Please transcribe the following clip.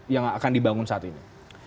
yang akan dibangun saat ini